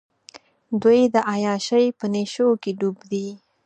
دوۍ د عیاشۍ په نېشوکې ډوب دي.